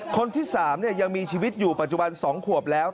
คนที่๓ยังมีชีวิตอยู่ปัจจุบัน๒ขวบแล้ว